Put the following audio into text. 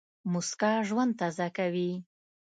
موسکا ژوند تازه کوي.